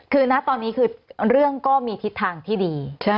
คือนะตอนนี้คือเรื่องก็มีทิศทางที่ดี